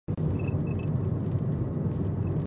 ډګروال سر وښوراوه او د خبرو حوصله یې نه وه